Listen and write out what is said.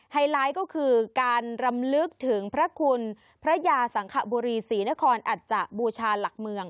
ไฮไลท์ก็คือการรำลึกถึงพระคุณพระยาสังขบุรีศรีนครอัจจะบูชาหลักเมือง